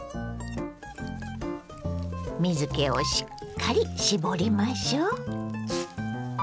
水けをしっかり絞りましょう。